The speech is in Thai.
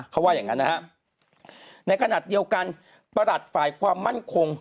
เขาว่าอย่างงั้นนะฮะในขณะเดียวกันประหลัดฝ่ายความมั่นคง